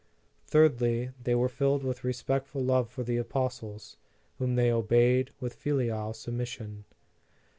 Thirdly, they were filled with respectful love for the apostles, whom they obeyed with filial submission.